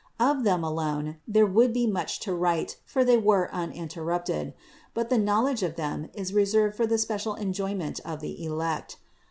Of them alone there would be much to write, for they were uninterrupted; but the knowledge of them is reserved for the special enjoyment of the elect.